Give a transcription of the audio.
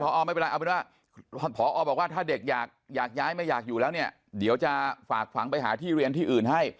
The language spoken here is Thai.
พอไม่เป็นไรเอาเป็นว่าพอบอกว่าถ้าเด็กอยากย้ายไม่อยากอยู่แล้วเนี่ยเดี๋ยวจะฝากฝังไปหาที่เรียนที่อื่นให้